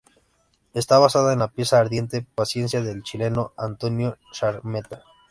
Está basada en la pieza "Ardiente paciencia", del chileno Antonio Skármeta.